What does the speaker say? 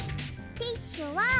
ティッシュは。